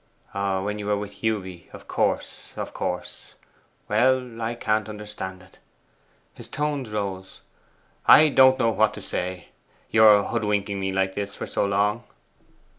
'When you were with Hewby, of course, of course. Well, I can't understand it.' His tones rose. 'I don't know what to say, your hoodwinking me like this for so long!